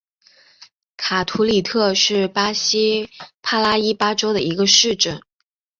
卡图里特是巴西帕拉伊巴州的一个市镇。